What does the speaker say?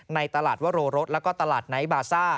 ในตลาดวโรรสแล้วก็ตลาดไนท์บาซ่า